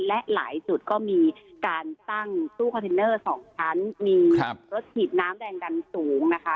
และหลายจุดก็มีการตั้งตู้คอนเทนเนอร์๒ชั้นมีรถฉีดน้ำแรงดันสูงนะคะ